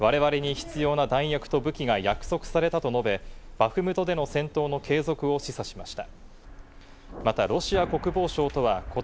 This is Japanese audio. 我々に必要な弾薬と武器が約束されたと述べ、バフムトでの戦闘の継続を示唆しました。